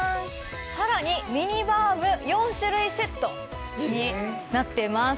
さらにミニバーム４種類セットになってます。